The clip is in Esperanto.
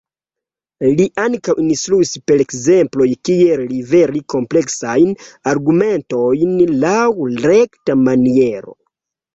Li ankaŭ instruis per ekzemploj kiel liveri kompleksajn argumentojn laŭ rekta maniero.